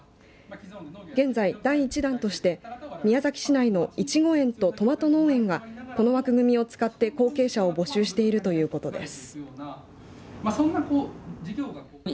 現在、第１弾として宮崎市内のいちご園とトマト農園がこの枠組みを使って後継者を募集しているということです。